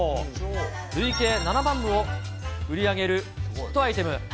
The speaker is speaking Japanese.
累計７万部を売り上げるヒットアイテム。